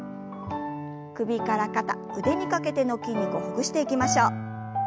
首から肩腕にかけての筋肉をほぐしていきましょう。